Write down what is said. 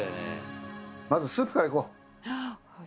まずスープからいこう。